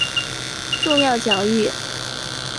重要奖誉